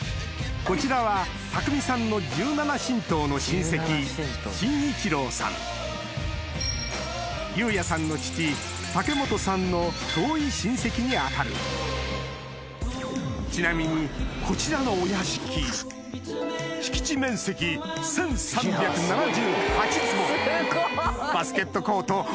こちらは祐哉さんの父武幹さんの遠い親戚に当たるちなみにこちらのお屋敷敷地面積バスケットコート